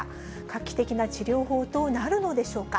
画期的な治療法となるのでしょうか。